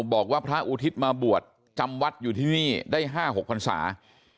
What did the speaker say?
บอกว่าพระอุทิศมาบวชจำวัดอยู่ที่นี่ได้๕๖พันศา